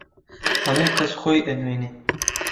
هەموو کەس خۆی ئەنوێنێ